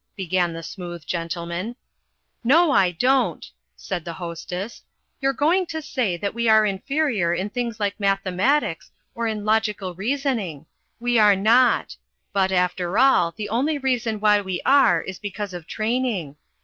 began the Smooth Gentleman. "No, I don't," said the Hostess. "You're going to say that we are inferior in things like mathematics or in logical reasoning. We are not. But, after all, the only reason why we are is because of training.